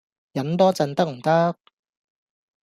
忍多陣得唔得